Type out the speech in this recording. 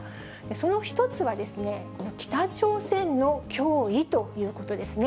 その１つは、北朝鮮の脅威ということですね。